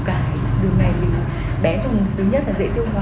cái đường này thì bé dùng thứ nhất là dễ tiêu hóa mát và không bị sâu